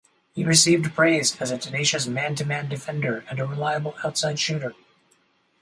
He received praise as a tenacious man-to-man defender, and a reliable outside shooter.